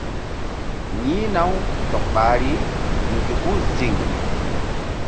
Yi̧hna-u sɔk ɓahri nzuku ziŋ.